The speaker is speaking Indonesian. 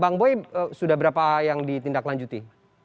bang boy sudah berapa yang ditindaklanjuti